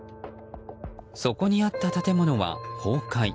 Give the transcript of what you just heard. そこにあった建物は崩壊。